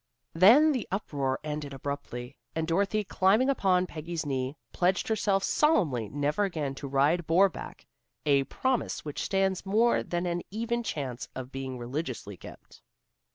Then the uproar ended abruptly, and Dorothy climbing upon Peggy's knee, pledged herself solemnly never again to ride boar back, a promise which stands more than an even chance of being religiously kept.